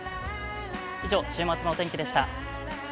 以上、週末のお天気でした。